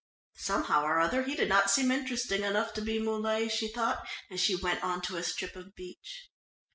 Somehow or other he did not seem interesting enough to be Muley, she thought as she went on to a strip of beach.